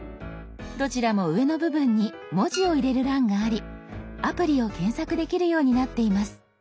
どちらも上の部分に文字を入れる欄がありアプリを検索できるようになっています。